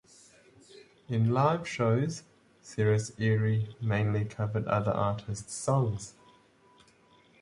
In live shows, Cyrus Erie mainly covered other artists' songs.